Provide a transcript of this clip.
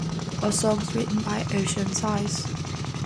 All songs written by Oceansize.